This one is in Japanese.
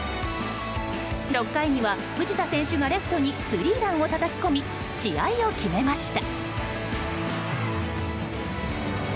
６回には藤田選手がレフトにスリーランをたたき込み試合を決めました。